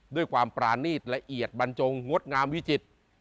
ด้วยความปรานีตละเอียดบรรจงงดงามวิจิตร